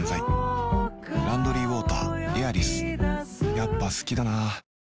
やっぱ好きだな